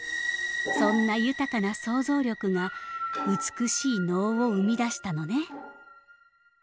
そんな豊かな想像力が美しい能を生み出したのね。